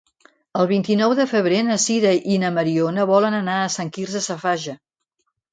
El vint-i-nou de febrer na Sira i na Mariona volen anar a Sant Quirze Safaja.